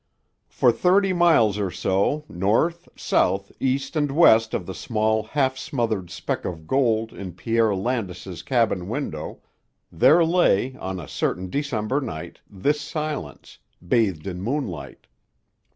For thirty miles or so, north, south, east, and west of the small, half smothered speck of gold in Pierre Landis's cabin window, there lay, on a certain December night, this silence, bathed in moonlight.